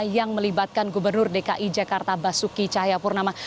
yang melibatkan gubernur dki jakarta basuki cahayapurnama